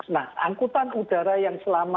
nah angkutan udara yang selamat